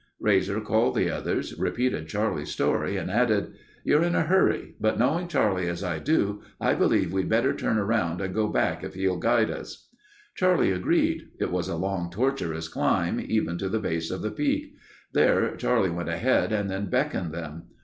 Rasor called the others, repeated Charlie's story and added: "You're in a hurry, but knowing Charlie as I do, I believe we'd better turn around and go back if he'll guide us." Charlie agreed. It was a long, tortuous climb, even to the base of the peak. There Charlie went ahead and then beckoned them.